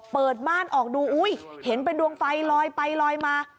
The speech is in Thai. ม่านออกดูอุ้ยเห็นเป็นดวงไฟลอยไปลอยมา